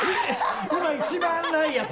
今一番ないやつ！